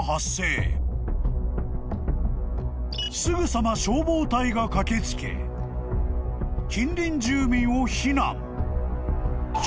［すぐさま消防隊が駆け付け近隣住民を避難］